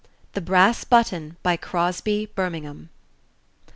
THE BRASS BUTTON, BY CROSBY, BIRMINGHAM.